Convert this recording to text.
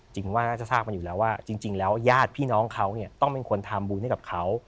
ว่าน่าจะทราบมาอยู่แล้วว่าจริงแล้วญาติพี่น้องเขาเนี่ยต้องเป็นคนทำบุญให้กับเขา